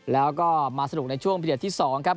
แล้วก็มาสนุกในช่วงพิเศษที่๒ครับ